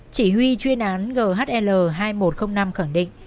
chỉ huy chuyên án ghl hai nghìn một trăm linh năm khẳng định